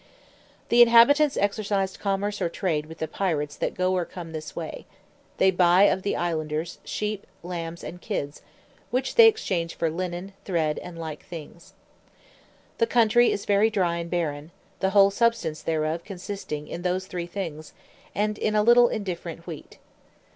The inhabitants exercise commerce or trade with the pirates that go or come this way: they buy of the islanders sheep, lambs, and kids, which they exchange for linen, thread, and like things. The country is very dry and barren, the whole substance thereof consisting in those three things, and in a little indifferent wheat.